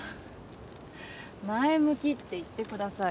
前向きって言ってください